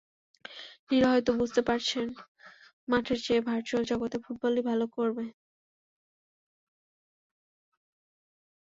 লিরা হয়তো বুঝতে পেরেছেন, মাঠের চেয়ে ভার্চুয়াল জগতের ফুটবলেই ভালো করবেন।